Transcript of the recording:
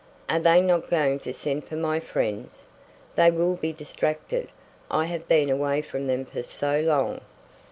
Are they not going to send for my friends? They will be distracted. I have been away from them for so long."